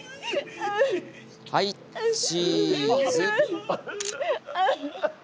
はいチーズ。